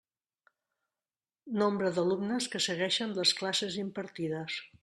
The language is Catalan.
Nombre d'alumnes que seguixen les classes impartides.